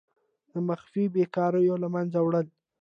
د مخفي بیکاریو له منځه وړل.